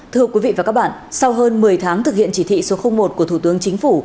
thưa quý vị và các bạn sau hơn một mươi tháng thực hiện chỉ thị số một của thủ tướng chính phủ